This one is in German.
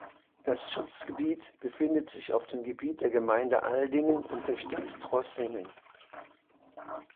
Das Schutzgebiet befindet sich auf dem Gebiet der Gemeinde Aldingen und der Stadt Trossingen.